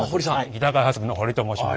ギター開発部の堀と申します。